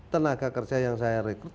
tenaga kerja yang saya rekrut